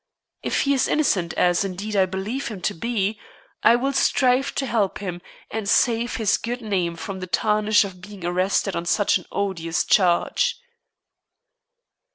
If he is innocent, as, indeed, I believe him to be, I will strive to help him and save his good name from the tarnish of being arrested on such an odious charge."